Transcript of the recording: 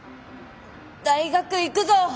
大学行くぞ！